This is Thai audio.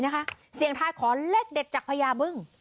เตรียมไปทำพิธีนะคะเสียงทายขอเลขเด็ดจากพระยามึง